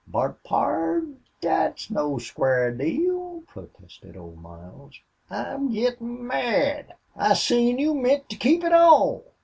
"But, pard, thet's no square deal," protested Old Miles. "I'm a gittin' mad. I seen you meant to keep it all."